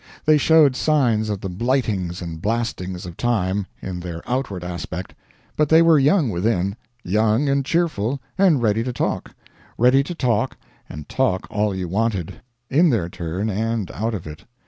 They showed signs of the blightings and blastings of time, in their outward aspect, but they were young within; young and cheerful, and ready to talk; ready to talk, and talk all you wanted; in their turn, and out of it.